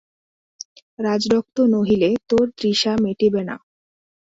রাজরক্ত নহিলে তোর তৃষা মিটিবে না?